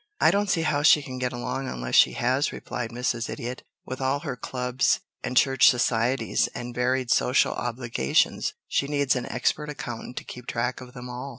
"I don't see how she can get along unless she has," replied Mrs. Idiot. "With all her clubs and church societies and varied social obligations she needs an expert accountant to keep track of them all."